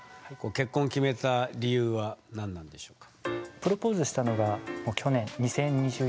結婚を決めた理由は何なんでしょうか？